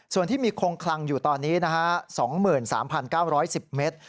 ส่วนที่มีคงคลังอยู่ตอนนี้นะฮะ๒๓๙๑๐เมตร